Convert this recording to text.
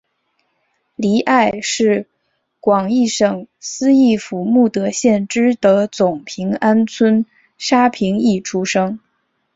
黎艾是广义省思义府慕德县知德总平安村沙平邑出生。